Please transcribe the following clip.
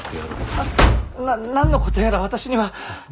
あっな何のことやら私には。